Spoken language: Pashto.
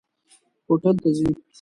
هوټل ته ځئ؟